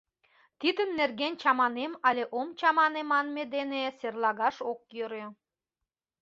Тидын нерген чаманем але ом чамане манме дене серлагаш ок йӧрӧ.